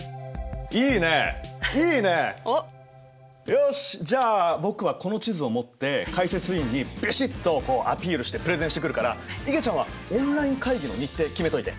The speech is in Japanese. よしじゃあ僕はこの地図を持って解説委員にビシッとアピールしてプレゼンしてくるからいげちゃんはオンライン会議の日程決めといて。